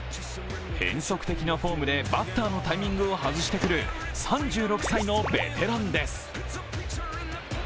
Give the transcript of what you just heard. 変則的なフォームでバッターのタイミングを外してくる３６歳のベテランです。